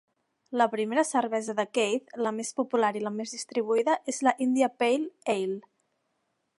La primera cervesa de Keith, la més popular i la més distribuïda és la India Pale Ale.